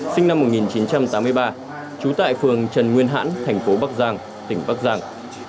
sinh năm một nghìn chín trăm tám mươi ba trú tại phường trần nguyên hãn thành phố bắc giang tỉnh bắc giang